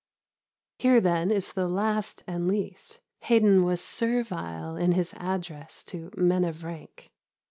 Here, then, is the last and least: Haydon was servile in his address to "men of rank."